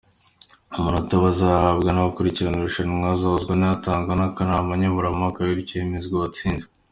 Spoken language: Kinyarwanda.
Amanota bazahabwa n’abakurikirana irushanwa azahuzwa n’azatangwa n’akanama nkemurampaka bityo hemezwe uwatsinze.